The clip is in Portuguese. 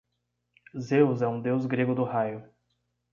Zeus é um deus grego do raio.